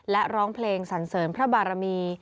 และร้องเพลงสันเสริญพระบารมี